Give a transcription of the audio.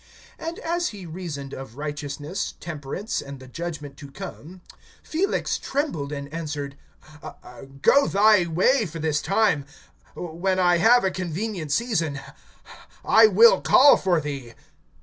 (25)And as he reasoned of righteousness, temperance, and the judgment to come, Felix trembled, and answered: Go thy way for this time; when I have a convenient season, I will call for thee.